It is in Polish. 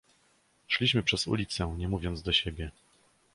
"Szliśmy przez ulicę, nie mówiąc do siebie."